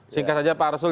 singkat saja pak arsul